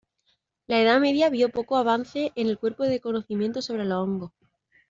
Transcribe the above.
La Edad Media vio poco avance en el cuerpo de conocimiento sobre los hongos.